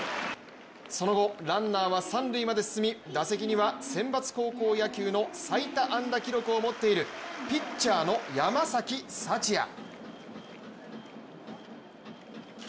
その後、ランナーは三塁まで進み打席には選抜高校野球の最多安打記録を持っている、ピッチャーの山崎福也。